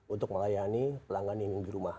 untuk melayani pelanggan yang di rumah